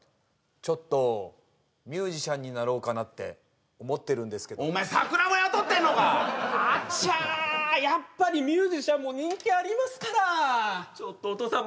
ちょっとミュージシャンになろうかなって思ってるんですけどお前さくらも雇ってんのかっあっちゃやっぱりミュージシャンも人気ありますからちょっとお父さん